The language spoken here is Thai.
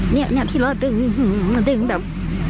เนี่ยเนี่ยที่เราดึงดึงแบบ